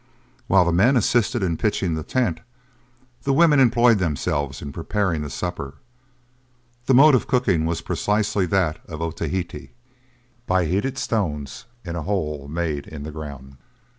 While the men assisted in pitching the tent, the women employed themselves in preparing the supper. The mode of cooking was precisely that of Otaheite, by heated stones in a hole made in the ground.